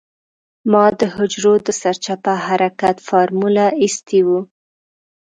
ما د حجرو د سرچپه حرکت فارموله اېستې وه.